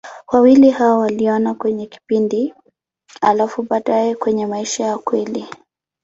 Wawili hao waliona kwenye kipindi, halafu baadaye kwenye maisha ya kweli.